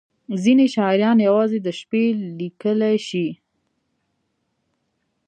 • ځینې شاعران یوازې د شپې لیکلی شي.